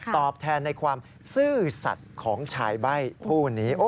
ตอบแทนในความซื่อสัตว์ของชายใบ้ผู้นี้